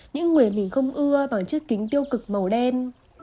những người mình không ưa bằng chiếc kính tiêu cực màu đen